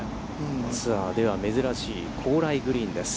ツアーでは珍しい高麗グリーンです。